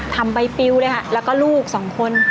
ทำใบปิวเลยค่ะแล้วก็ลูกสองคน